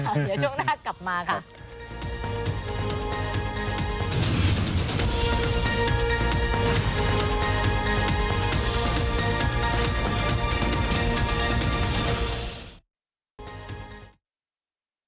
เดี๋ยวช่วงหน้ากลับมาค่ะ